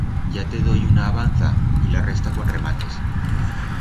Ya te doi una abanza y la resta cuan remates.